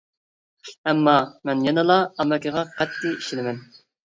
ئەمما مەن يەنىلا ئامېرىكىغا قەتئىي ئىشىنىمەن.